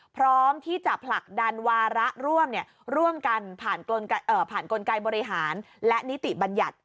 พร้อมที่จะผลักดันวาระร่วมร่วมกันผ่านกลไกบริหารและนิติบัญญัติ